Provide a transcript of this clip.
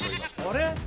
あれ。